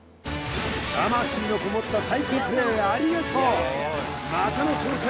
魂のこもった太鼓プレイありがとうまたの挑戦